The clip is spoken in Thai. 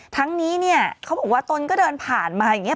ทั้งนี้เนี่ยเขาบอกว่าตนก็เดินผ่านมาอย่างนี้